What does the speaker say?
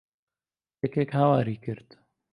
یەکێک هاواری کرد.